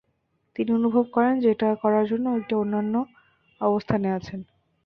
তিনি অনুভব করেন যে, এটা করার জন্য একটি অনন্য অবস্থানে আছেন।